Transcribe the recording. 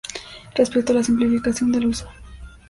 Respecto a la simplificación del uso.